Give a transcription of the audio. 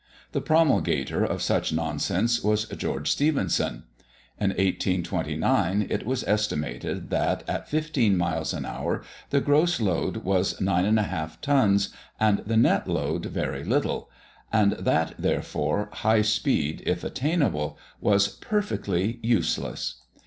The promulgator of such nonsense was George Stephenson. In 1829, it was estimated that, at 15 miles an hour, the gross load was 9 1/2 tons, and the net load very little; and that, therefore, high speed, if attainable, was perfectly useless.